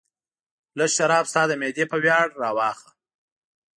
لږ شراب ستا د معدې په ویاړ راواخله.